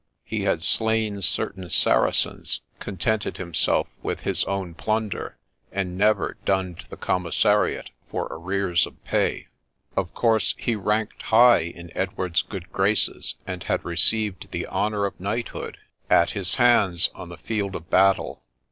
He had slain certain Saracens, contented himself with his own plunder, and never dunned the commissariat for arrears of pay. Of course he ranked high in Edward's good graces, and had received the honour of knighthood at his hands on the field of battle.